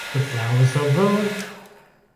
The flowers of var.